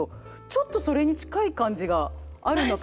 ちょっとそれに近い感じがあるのかなって。